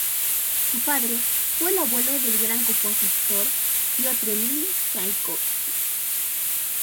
Su padre fue el abuelo del gran compositor Piotr Ilich Chaikovski.